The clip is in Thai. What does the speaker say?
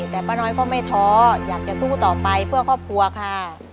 แต่ป้าน้อยก็ไม่ท้ออยากจะสู้ต่อไปเพื่อครอบครัวค่ะ